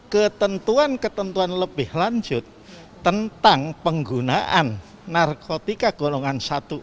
ketentuan ketentuan lebih lanjut tentang penggunaan narkotika golongan satu